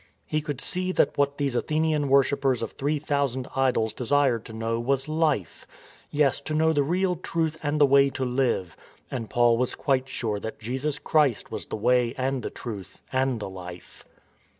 He could see that what these Athenian worshippers of three thousand idols desired to know was Life — yes, to know the real truth and the way to live. And Paul was quite sure that Jesus Christ was the Way and the Truth and the Life.